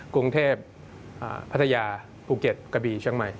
กรุงเทพพัทยาภูเก็ตกระบีเชียงใหม่